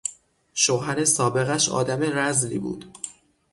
شوهر سابقش آدم رذلی بود.